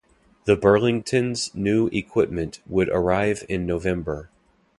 The Burlington's new equipment would arrive in November.